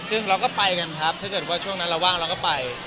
เราก็ไปกันครับเช่นเมื่อเว้นช่วงนั้นเราว่างเราก็ไป